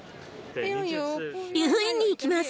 湯布院に行きます。